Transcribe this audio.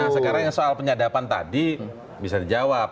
sekarang soal penyadapan tadi bisa dijawab